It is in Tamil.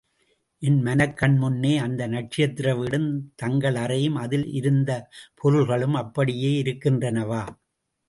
என் மனக் கண்முன்னே, அந்த நட்சத்திர வீடும், தங்கள் அறையும், அதில் இருந்த பொருள்களும் அப்படியப்படியே இருக்கின்றனவா?